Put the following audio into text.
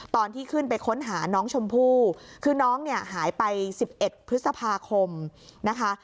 ตอนที่ขึ้นไปค้นหาน้องชมพู่คือน้องเนี่ยหายไป๑๑พฤษภาคมนะคะ